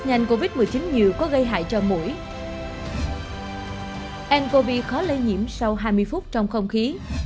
anh covid khó lây nhiễm sau hai mươi phút trong không khí